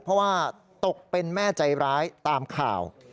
เพราะว่าตกเป็นแม่ใจร้ายตามข่าว